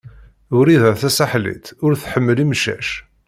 Wrida Tasaḥlit ur tḥemmel imcac.